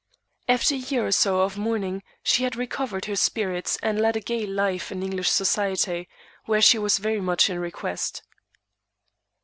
After a year or so of mourning she had recovered her spirits, and led a gay life in English society, where she was very much in request.